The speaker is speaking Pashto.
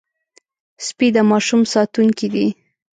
سپي د ماشوم ساتونکي دي.